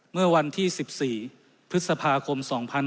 เมื่อวันที่๑๔พฤษภาคม๒๕๖๒